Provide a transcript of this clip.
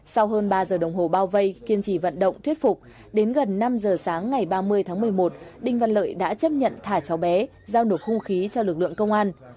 sau hơn ba giờ đồng hồ bao vây kiên trì vận động thuyết phục đến gần năm giờ sáng ngày ba mươi tháng một mươi một đinh văn lợi đã chấp nhận thả cháu bé giao nổ hung khí cho lực lượng công an